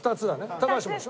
高橋もでしょ？